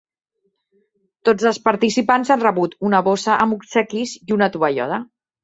Tots els participants han rebut una bossa amb obsequis i una tovallola.